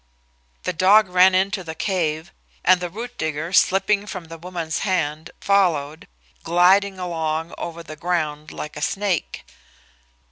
The dog ran into the cave, and the root digger, slipping from the woman's hand, followed, gliding along over the ground like a snake.